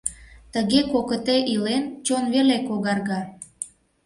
Тыге кокыте илен, чон веле когарга.